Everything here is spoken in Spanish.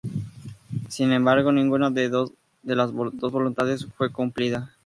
Sin embargo, ninguna de las dos voluntades fue cumplida.